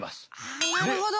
あなるほど。